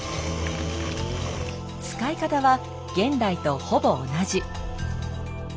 使い方は現代とほぼ同じ。